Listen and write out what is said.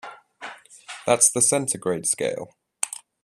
That's the centigrade scale.